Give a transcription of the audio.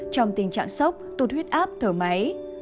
trong tình trạng sốc tụt huyết áp thở máy